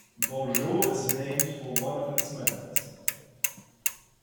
Borgeau, is named for one of its members.